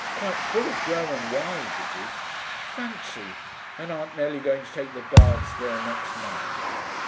Quite full of German wives, it is. Fancy, and Aunt Nellie going to take the baths there next month.